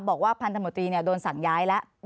บอกว่าพันธมตรีโดนสั่งย้ายแล้ว